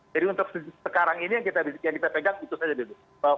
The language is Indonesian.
jadi untuk sekarang ini yang kita pegang itu saja dulu